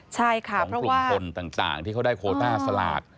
ของกลุ่มคนต่างที่เค้าได้โควต้าสลาก